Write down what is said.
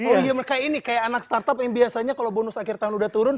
oh iya mereka ini kayak anak startup yang biasanya kalau bonus akhir tahun udah turun